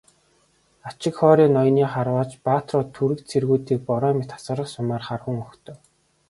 Ачигхори ноёны харваач баатрууд түрэг цэргүүдийг бороо мэт асгарах сумаар харван угтав.